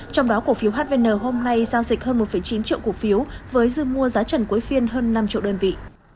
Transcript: trong đó cổ phiếu hvn hôm nay giao dịch hơn một chín triệu cổ phiếu với dư mua giá trần cuối phiên hơn năm triệu đơn vị